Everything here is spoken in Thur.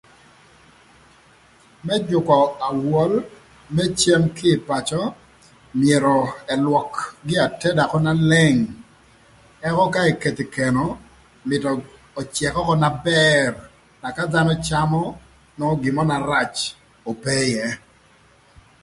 Më jükö awol më cem kï ï pacö, myero ëlwök gin ateda ökö na leng ëka ka eketho ï keno, mïtö öcëk ökö na bër na ka dhanö camö nwongo gin mörö na rac ope ïë.